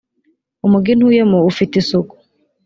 umugi ntuyemo ufite isuku